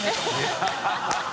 ハハハ